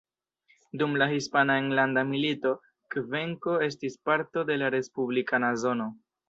Dum la Hispana Enlanda Milito, Kvenko estis parto de la respublikana zono.